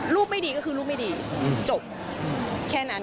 ไม่ดีก็คือลูกไม่ดีจบแค่นั้น